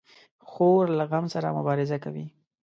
خور له غم سره مبارزه کوي.